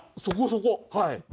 そこそこ！